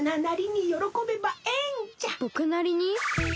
ぼくなりに？